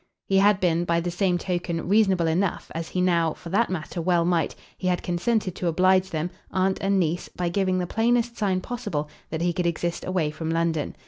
He had been, by the same token, reasonable enough as he now, for that matter, well might; he had consented to oblige them, aunt and niece, by giving the plainest sign possible that he could exist away from London.